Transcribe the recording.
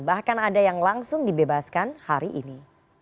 bahkan ada yang langsung dibebaskan hari ini